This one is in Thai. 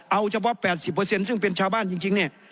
เอาเฉพาะ๘๐ซึ่งเป็นชาวบ้านจริงเนี่ย